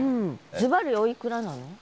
ずばりおいくらなの？